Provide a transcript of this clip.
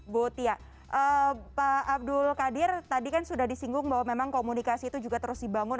bu tia pak abdul qadir tadi kan sudah disinggung bahwa memang komunikasi itu juga terus dibangun